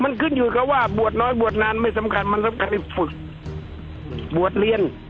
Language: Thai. มันขึ้นอยู่กับว่าบวชน้อยบวชนานไม่สำคัญมันสำคัญฝึกบวชเรียน